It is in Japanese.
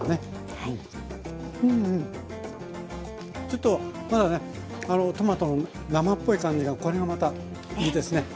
ちょっとまだねあのトマトの生っぽい感じがこれがまたいいですね。